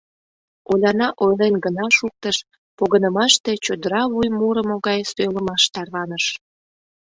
Оляна ойлен гына шуктыш, погынымаште чодыра вуй мурымо гай сӧйлымаш тарваныш.